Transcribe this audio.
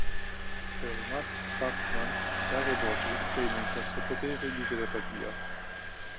Per Matt Parkman varie voci in riferimento al suo potere di telepatia.